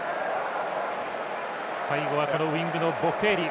最後はウイングのボッフェーリ。